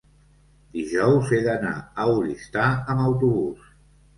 dijous he d'anar a Oristà amb autobús.